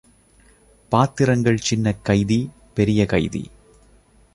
பாத்திரங்கள் சின்னக் கைதி, பெரிய கைதி.